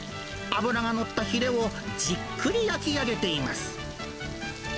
脂が乗ったヒレをじっくり焼き上げています。